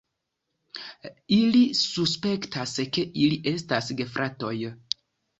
Ili suspektas, ke ili estas gefratoj.